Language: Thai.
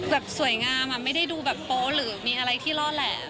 แบบสวยงามไม่ได้ดูแบบโป๊ะหรือมีอะไรที่ล่อแหลม